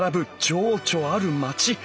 情緒ある街。